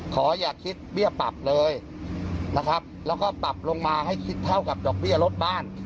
ขออย่าคิดเบี้ยปรับเลยนะครับแล้วก็ปรับลงมาให้คิดเท่ากับดอกเบี้ยรถบ้าน